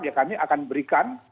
ya kami akan berikan